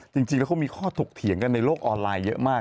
จริงแล้วเขามีข้อถกเถียงกันในโลกออนไลน์เยอะมาก